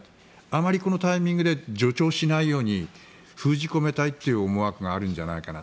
あまりこのタイミングで助長しないように封じ込めたいという思惑があるんじゃないかな。